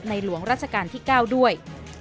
หลวงราชการที่๙ด้วย